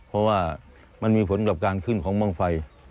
เพราะว่ามันมีผลกับการขึ้นของบ้างไฟ